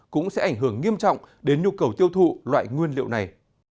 cũng sẽ ảnh hưởng nghiêm trọng đến nhu cầu tiêu thụ loại nguyên liệu này